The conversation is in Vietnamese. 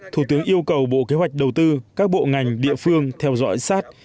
thủ tướng yêu cầu bộ kế hoạch đầu tư các bộ ngành địa phương theo dõi sát